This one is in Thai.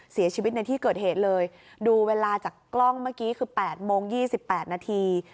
เสียชีวิตในที่เกิดเหตุเลยดูเวลาจากกล้องเมื่อกี้คือ๘โมง๒๘นาที